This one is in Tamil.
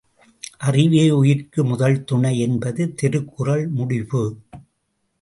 அறிவே உயிர்க்கு முதல்துணை என்பது திருக்குறள் முடிபு.